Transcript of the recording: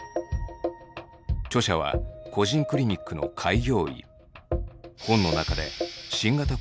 著者は個人クリニックの開業医。